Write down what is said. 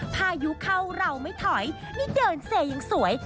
พายุเข้าเราไม่ถอยนี่เดินเซยังสวย